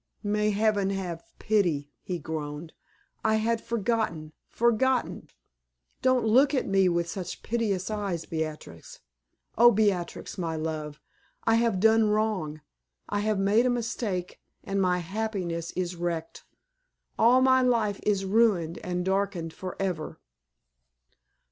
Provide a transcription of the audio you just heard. "May Heaven have pity!" he groaned. "I had forgotten forgotten. Don't look at me with such piteous eyes. Beatrix! oh, Beatrix, my love, I have done wrong! I have made a mistake, and my happiness is wrecked. All my life is ruined and darkened forever!"